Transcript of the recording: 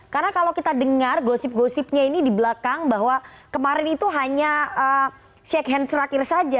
karena kalau kita dengar gosip gosipnya ini di belakang bahwa kemarin itu hanya check hands terakhir saja